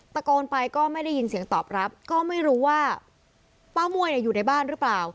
ตะโกนไปก็ไม่ได้ยินเสียงตอบรับก็ไม่รู้ว่าป้าม่วยอยู่ในบ้านหรือเปล่า